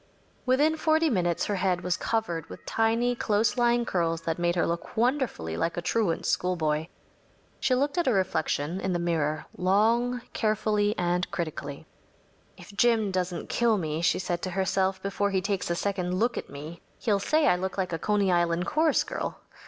Within forty minutes her head was covered with tiny, close lying curls that made her look wonderfully like a truant schoolboy. She looked at her reflection in the mirror long, carefully, and critically. “If Jim doesn’t kill me,‚ÄĚ she said to herself, “before he takes a second look at me, he’ll say I look like a Coney Island chorus girl.